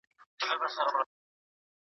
اقتصاد د ټولنپوهنې په انګړ کي دی.